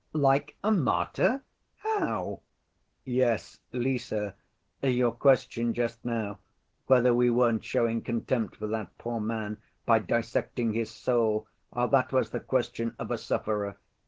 "Like a martyr? How?" "Yes, Lise, your question just now: whether we weren't showing contempt for that poor man by dissecting his soul—that was the question of a sufferer....